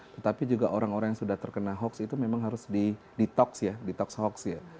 tetapi juga orang orang yang sudah terkena hoax itu memang harus di toks ya di toks hoax ya